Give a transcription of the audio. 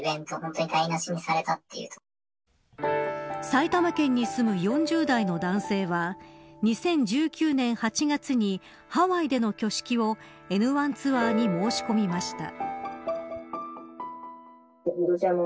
埼玉県に住む４０代の男性は２０１９年８月にハワイでの挙式をエヌワンツアーに申し込みました。